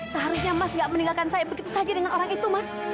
seharusnya mas gak meninggalkan saya begitu saja dengan orang itu mas